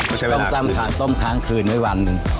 มาใช่เวลาครึ่งต้องซักครั้งคืนให้วัน